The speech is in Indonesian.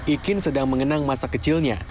ikin sedang mengenang masa kecilnya